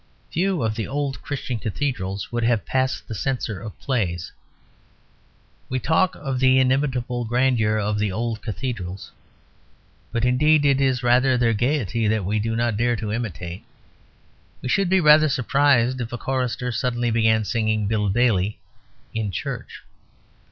Few of the old Christian cathedrals would have passed the Censor of Plays. We talk of the inimitable grandeur of the old cathedrals; but indeed it is rather their gaiety that we do not dare to imitate. We should be rather surprised if a chorister suddenly began singing "Bill Bailey" in church.